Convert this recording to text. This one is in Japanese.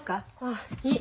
あいい。